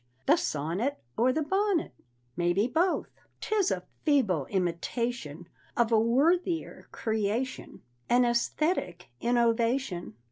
the sonnet Or the bonnet? Maybe both. "'Tis a feeble imitation Of a worthier creation; An æsthetic innovation!"